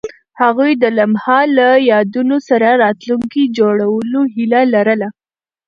هغوی د لمحه له یادونو سره راتلونکی جوړولو هیله لرله.